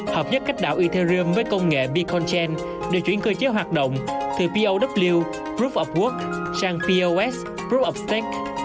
hợp nhất cách đảo ethereum với công nghệ bitcoin chain đều chuyển cơ chế hoạt động từ pow proof of work sang pos proof of stake